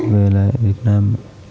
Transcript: về lại việt nam